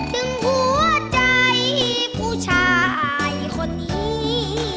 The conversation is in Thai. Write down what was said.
ถึงหัวใจผู้ชายคนนี้